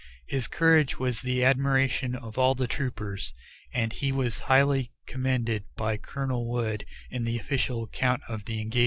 His courage was the admiration of all the troopers, and he was highly commended by Colonel Wood in the official account of the engagement.